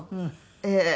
ええ。